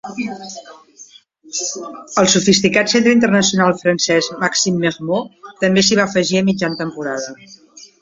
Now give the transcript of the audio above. El sofisticat centre internacional francès Maxime Mermoz també s'hi va afegir a mitjan temporada.